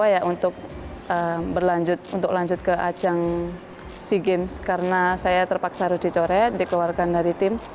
karena alasan memakai jilbab saya cukup kecewa ya untuk berlanjut untuk lanjut ke ajang sea games karena saya terpaksa harus dicoret dikeluarkan dari tim